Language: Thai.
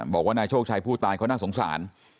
บอกว่านายโชคชัยผู้ตายเขาน่าสงสาร